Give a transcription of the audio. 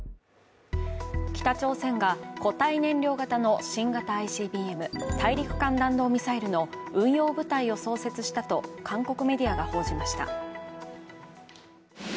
北朝鮮が固体燃料型の新型ＩＣＢＭ＝大陸間弾道ミサイルの運用部隊を創設したと韓国メディアが報じました。